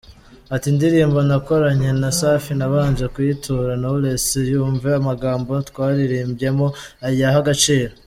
Ati “Indirimbo nakoranye na Safi nabanje kuyitura Knowless, yumve amagambo twaririmbyemo ayahe agaciro.